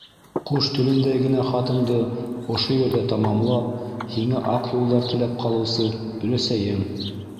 Ҡош телендәй генә хатымды ошо ерҙә тамамлап, һиңә аҡ юлдар теләп ҡалыусы өләсәйең.